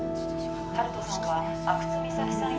温人さんは阿久津実咲さん